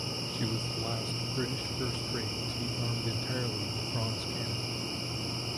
She was the last British First Rate to be armed entirely with bronze cannon.